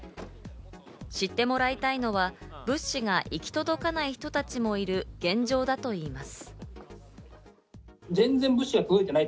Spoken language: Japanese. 知ってもらいたいのは物資が行き届かない人たちもいる現状だといいます。